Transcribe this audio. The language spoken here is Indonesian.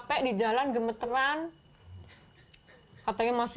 mendingan istirahat sedikit sedikit